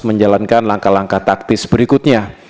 menjalankan langkah langkah taktis berikutnya